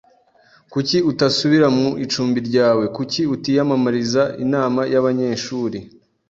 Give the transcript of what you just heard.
Kuki utasubira mu icumbi ryawe? Kuki utiyamamariza inama y'abanyeshuri?